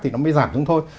thì nó mới giảm chúng thôi